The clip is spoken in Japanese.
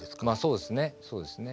そうですね